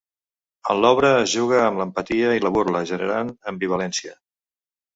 En l'obra es juga amb l'empatia i la burla generant ambivalència.